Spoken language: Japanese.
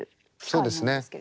そうですね。